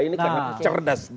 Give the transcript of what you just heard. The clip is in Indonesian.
ini karena cerdas dia